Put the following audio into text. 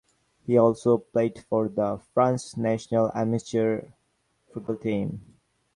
He also played for the France national amateur football team.